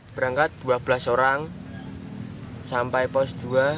berangkat dua belas orang sampai pos dua